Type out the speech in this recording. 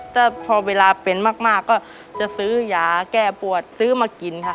ถ้าพอเวลาเป็นมากก็จะซื้อยาแก้ปวดซื้อมากินค่ะ